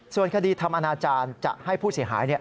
ส่วนคดีทำอนาจารย์จะให้ผู้เสียหาย